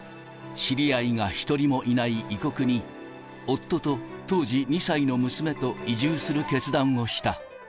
知り合いが１人もいない異国に、夫と、当時２歳の娘と移住する決断をした。